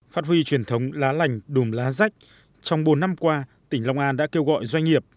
phát huy truyền thống lá lành đùm lá rách trong bốn năm qua tỉnh long an đã kêu gọi doanh nghiệp